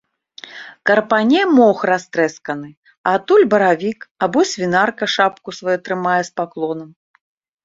Карпане мох растрэсканы, а адтуль баравік або свінарка шапку сваю трымае з паклонам.